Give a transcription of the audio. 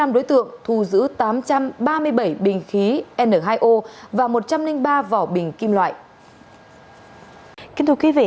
năm đối tượng thu giữ tám trăm ba mươi bảy bình khí n hai o và một trăm linh ba vỏ bình kim loại